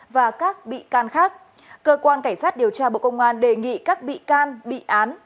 và các bị can khác cơ quan cảnh sát điều tra bộ công an đề nghị các bị can bị án